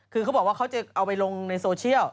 คือเขาบอกว่าเขาจะเอาไปลงในโซเชียล